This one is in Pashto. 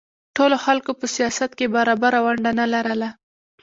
ټولو خلکو په سیاست کې برابره ونډه نه لرله